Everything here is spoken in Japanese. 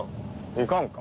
行かんか。